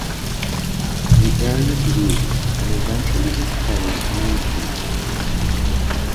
The area grew and eventually was called Mayesville.